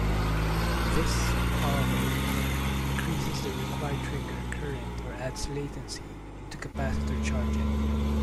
This, however, increases the required trigger current or adds latency due to capacitor charging.